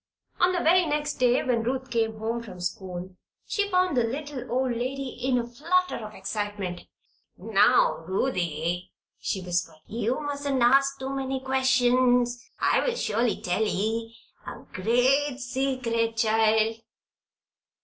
On the very next day, when Ruth came home from school, she found the little old lady in a flutter of excitement. "Now, Ruthie," she whispered, "you mustn't ask too many questions, and I'll surely tell ye a gre't secret, child."